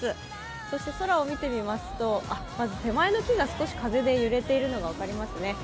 そして空を見てみますと、まず手前の木が風で揺れているのが分かりますね。